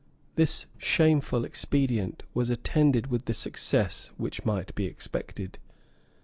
This shameful expedient was attended with the success which might be expected.